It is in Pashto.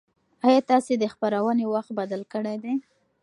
ایا تاسي د خپرونې وخت بدل کړی دی؟